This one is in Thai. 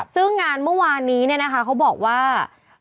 ซึ่งงานเมื่อวานนี้เนี่ยนะคะเขาบอกว่า